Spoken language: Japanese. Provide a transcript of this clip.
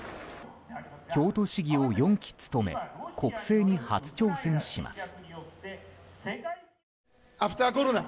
京都市議を４期務め国政に初挑戦します。